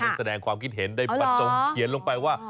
แสดงความคิดเห็นได้ประจงเขียนลงไปว่า